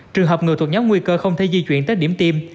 trường hợp người thuộc nhóm nguy cơ không thể di chuyển tới điểm tiêm